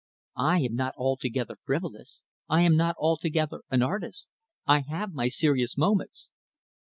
I am not altogether frivolous; I am not altogether an artist. I have my serious moments."